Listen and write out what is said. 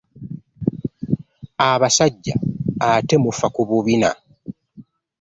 Abasajja ate mufa ku bubina.